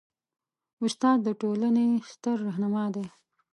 استاد د ټولنې ستر رهنما دی.